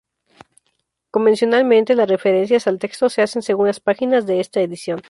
Convencionalmente las referencias al texto se hacen según las páginas de esta edición.